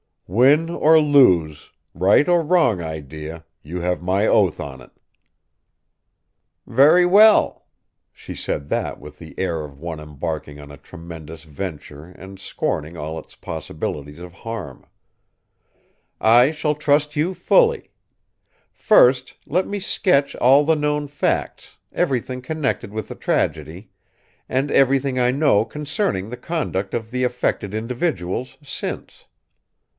"Win or lose, right or wrong idea, you have my oath on it." "Very well!" She said that with the air of one embarking on a tremendous venture and scorning all its possibilities of harm. "I shall trust you fully. First, let me sketch all the known facts, everything connected with the tragedy, and everything I know concerning the conduct of the affected individuals since."